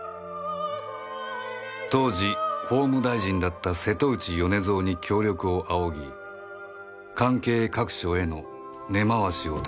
当時法務大臣だった瀬戸内米蔵に協力を仰ぎ関係各所への根回しを頼んだ